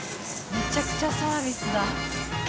めちゃくちゃサービスだ。